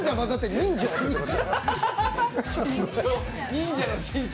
忍者の身長。